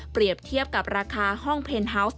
เปรียบเทียบกับราคาห้องเพนท์ฮาวส์